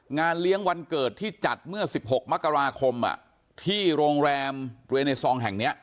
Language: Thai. งานเลี้ยงวันเกิดที่จัดเมื่อ๑๖มกราคมที่โรงแรมเรเนซองแห่งนี้